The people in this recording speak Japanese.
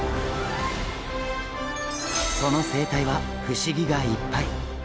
その生態は不思議がいっぱい。